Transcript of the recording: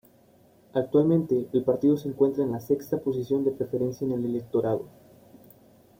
Actualmente el partido se encuentra en la sexta posición de preferencia en el electorado.